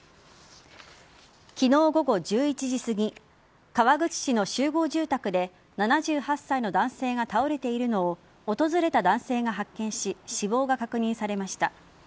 昨日午後１１時すぎ川口市の集合住宅で７８歳の男性が倒れているのを訪れた男性が発見し死亡が確認されました。